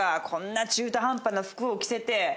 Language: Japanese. こんな中途半端な服を着せて。